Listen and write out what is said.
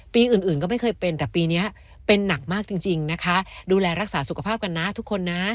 ปีอื่นก็ไม่เคยเป็นแต่ปีนี้เป็นหนักมากจริงนะคะดูแลรักษาสุขภาพกันนะทุกคนนะ